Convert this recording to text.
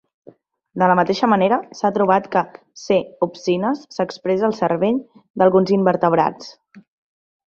De la mateixa manera, s'ha trobat que c-opsines s'expressa al "cervell" d'alguns invertebrats.